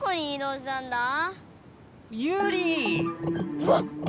うわっ！